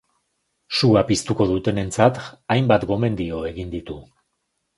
Sua piztuko dutenentzat hainbat gomendio egin ditu.